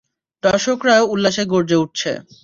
দর্শকরাও উল্লাসে গর্জে উঠছে!